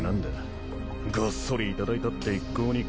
ごっそり頂いたって一向に構わねえよ。